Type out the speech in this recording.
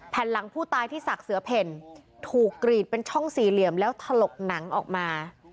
แผ่นหลังผู้ตายที่ศักดิ์เสือเพ่นถูกกรีดเป็นช่องสี่เหลี่ยมแล้วถลกหนังออกมา